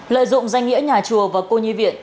lợi dụng danh nghĩa nhà chùa và cô nhi viện